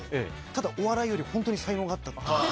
ただ、お笑いより本当に才能があったという。